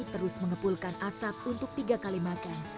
terus mengepulkan asap untuk tiga kali makan